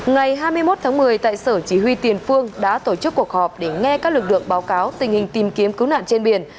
ngày hai mươi một tháng một mươi tại sở chỉ huy tiền phương đã tổ chức cuộc họp để nghe các lực lượng báo cáo tình hình tìm kiếm cứu nạn trên biển